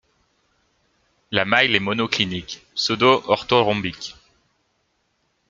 La maille est monoclinique pseudo-orthorhombique.